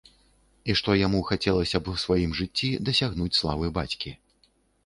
І што яму б хацелася ў сваім жыцці дасягнуць славы бацькі.